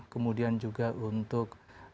kemudian juga untuk